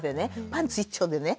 パンツ一丁でね。